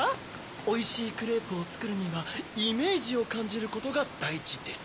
おいしいクレープをつくるにはイメジをかんじることがだいじです。